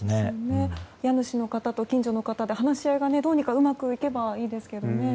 家主の方と近所の方で話し合いがどうにかうまくいけばいいですけどね。